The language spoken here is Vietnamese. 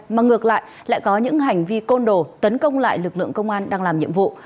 mà ngược lại lại có những hành vi côn đồ tấn công lại lực lượng công an đang làm nhiệm vụ